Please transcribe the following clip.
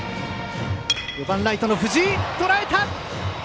４番ライト藤井がとらえた！